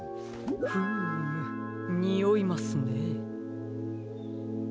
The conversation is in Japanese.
フームにおいますね。